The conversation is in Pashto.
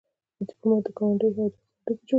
ډيپلومات د ګاونډیو هېوادونو سره اړیکې جوړوي.